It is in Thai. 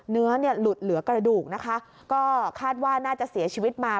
เนื้อเนี่ยหลุดเหลือกระดูกนะคะก็คาดว่าน่าจะเสียชีวิตมา